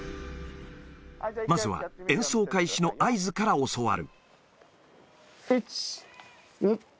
まずは演奏開始の合図から教わる。